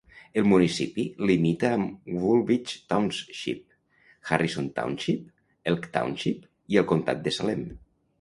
El municipi limita amb Woolwich Township, Harrison Township, Elk Township i el comtat de Salem.